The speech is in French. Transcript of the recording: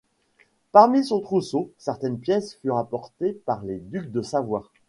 Parmi son trousseau, certaines pièces furent apportées par les ducs de Savoie.